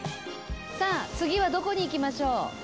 さあ次はどこに行きましょう？